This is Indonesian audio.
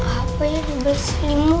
apa ya di beris limu